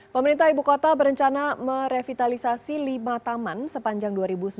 pemerintah ibu kota berencana merevitalisasi lima taman sepanjang dua ribu sembilan belas